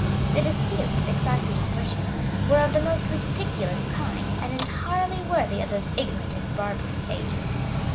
The disputes, excited in Britain, were of the most ridiculous kind, and entirely worthy of those ignorant and barbarous ages.